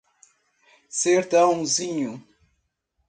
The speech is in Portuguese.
Sertãozinho